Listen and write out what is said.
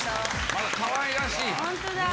かわいらしい！